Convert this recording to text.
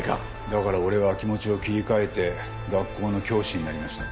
だから俺は気持ちを切り替えて学校の教師になりました。